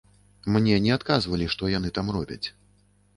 Мне не адказвалі, што яны там робяць.